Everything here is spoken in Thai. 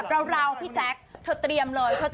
แกจะแรงเมื่อ